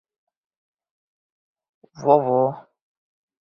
Во, во!